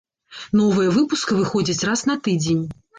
Новыя выпускі выходзяць раз на тыдзень.